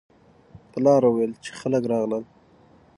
پلار وویل چې خلک راغلل.